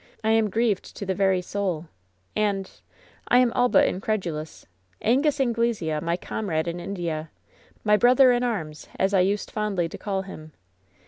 I am grieved to the very soul. And — I am all but incredulous. Angus Anglesea, my comrade in India ! My T)rother in arms,' as I used fondly to call him.